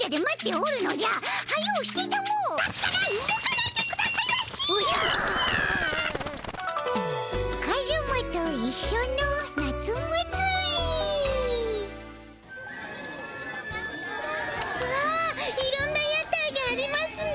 おじゃ！わいろんな屋台がありますね。